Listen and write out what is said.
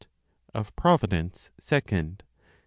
Of Providence, Second.